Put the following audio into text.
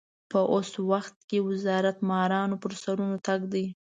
په اوس وخت کې وزارت مارانو پر سرونو تګ دی.